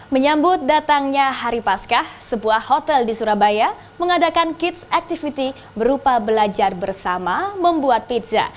menyambut datangnya hari paskah sebuah hotel di surabaya mengadakan kids activity berupa belajar bersama membuat pizza